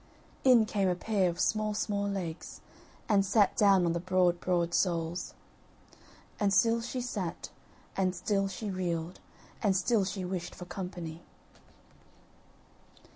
In came a pair of small small legs, and sat down on the broad broad soles; And still she sat, and still she reeled, and still she wished for company.